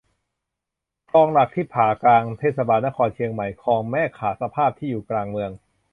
คลองหลักที่ผ่ากลางเทศบาลนครเชียงใหม่ คลองแม่ข่าสภาพที่อยู่กลางเมือง